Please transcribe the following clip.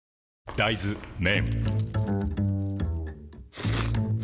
大豆麺